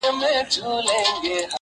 چي د صبر شراب وڅيښې ويده سه,